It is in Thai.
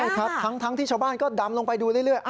ใช่ครับทั้งที่ชาวบ้านก็ดำลงไปดูเรื่อย